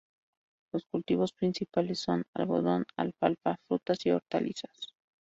Los cultivos principales son: algodón, alfalfa, frutas y hortalizas.